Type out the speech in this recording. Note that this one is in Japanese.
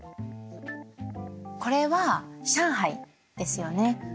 これは上海ですよね？